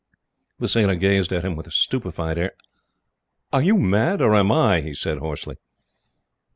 The sailor gazed at him with a stupefied air. "Are you mad, or am I?" he said hoarsely.